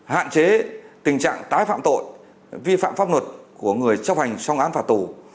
hạn chế tình trạng tái phạm tội vi phạm pháp luật của người chấp hành song án phạt tù